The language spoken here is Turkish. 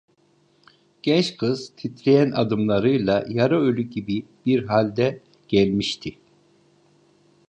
Genç kız titreyen adımlarıyla, yarı ölü gibi bir halde gelmişti.